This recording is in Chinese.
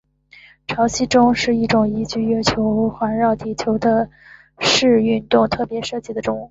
潮汐钟是一种依据月球环绕地球的视运动特别设计的钟。